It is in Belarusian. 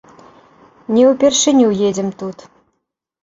Не ўпершыню едзем тут.